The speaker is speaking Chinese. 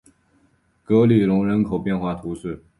格里隆人口变化图示